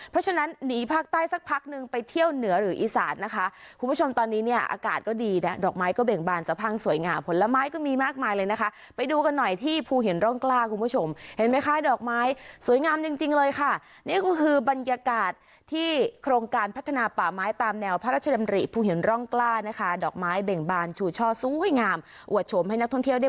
เพราะฉะนั้นหนีภาคใต้สักพักนึงไปเที่ยวเหนือหรืออีสานนะคะคุณผู้ชมตอนนี้เนี่ยอากาศก็ดีนะดอกไม้ก็เบ่งบานสะพังสวยงามผลไม้ก็มีมากมายเลยนะคะไปดูกันหน่อยที่ภูหินร่องกล้าคุณผู้ชมเห็นไหมคะดอกไม้สวยงามจริงจริงเลยค่ะนี่ก็คือบรรยากาศที่โครงการพัฒนาป่าไม้ตามแนวพระราชดำริภูเห็นร่องกล้านะคะดอกไม้เบ่งบานชูช่อสวยงามอวดโฉมให้นักท่องเที่ยวได้